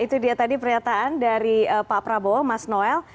itu dia tadi pernyataan dari pak prabowo mas noel